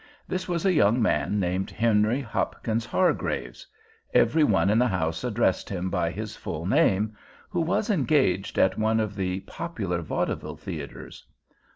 This was a young man named Henry Hopkins Hargraves—every one in the house addressed him by his full name—who was engaged at one of the popular vaudeville theaters.